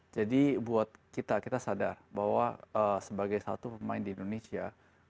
jadi buat kita kita sadar bahwa sebagai satu pemain di indonesia